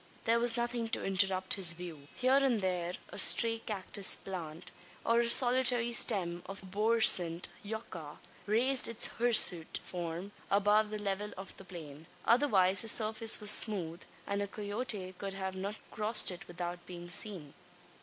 There was nothing to interrupt his view. Here and there, a stray cactus plant, or a solitary stem of the arborescent yucca, raised its hirsute form above the level of the plain. Otherwise the surface was smooth; and a coyote could not have crossed it without being seen.